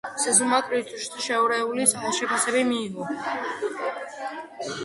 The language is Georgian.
სეზონმა კრიტიკოსებისაგან შერეული შეფასებები მიიღო.